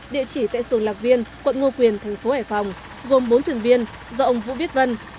địa chỉ tại phường lạc viên quận ngo quyền thành phố hải phòng gồm bốn thuyền viên do ông vũ biết vân